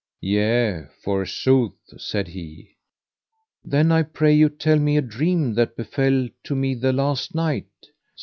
Yea forsooth, said he. Then I pray you tell me a dream that befell to me the last night.